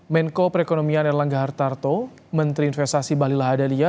menko perekonomian erlangga hartarto menteri investasi bali lahadalia